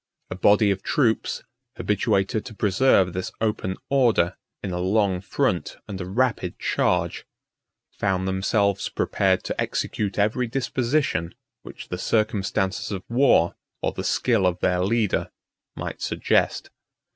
46 A body of troops, habituated to preserve this open order, in a long front and a rapid charge, found themselves prepared to execute every disposition which the circumstances of war, or the skill of their leader, might suggest.